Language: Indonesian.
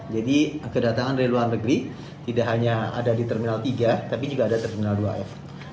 jadi kedatangan dari luar negeri tidak hanya ada di terminal tiga tapi juga ada di terminal dua f